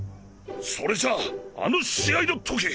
それじゃああの試合の時。